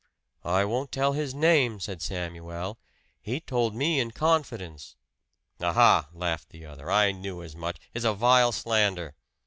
"I won't tell his name," said Samuel. "He told me in confidence." "Aha!" laughed the other. "I knew as much! It is a vile slander!"